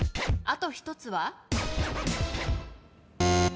あと１つは？えっ？